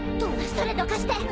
それどかして。